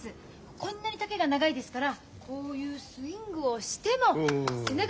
こんなに丈が長いですからこういうスイングをしても背中が出ないんです。